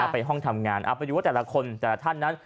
ไปห้องทำงานเอาไปดูว่าแต่ละคนแต่ละท่านนั้น